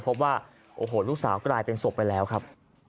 พบว่าโอ้โหลูกสาวกลายเป็นศพไปแล้วครับ